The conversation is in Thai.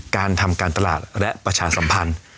การทำการตลาดและประชาสัมพันธ์